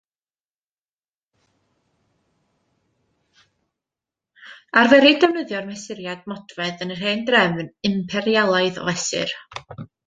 Arferid defnyddio'r mesuriad modfedd yn yr hen drefn Imperialaidd o fesur.